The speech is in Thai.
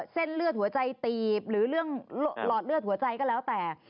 เส้นเลือดหัวใจตีบหรือเรื่องหลอดเลือดหัวใจก็แล้วแต่